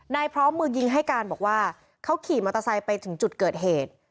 พร้อมมือยิงให้การบอกว่าเขาขี่มอเตอร์ไซค์ไปถึงจุดเกิดเหตุ